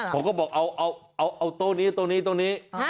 ผมก็บอกเอาโต๊ะนี้ตรงนี้ตรงนี้